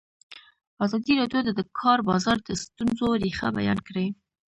ازادي راډیو د د کار بازار د ستونزو رېښه بیان کړې.